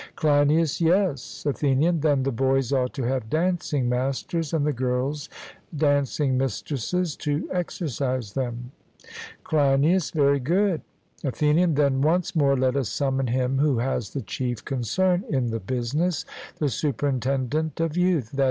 CLEINIAS: Yes. ATHENIAN: Then the boys ought to have dancing masters, and the girls dancing mistresses to exercise them. CLEINIAS: Very good. ATHENIAN: Then once more let us summon him who has the chief concern in the business, the superintendent of youth [i.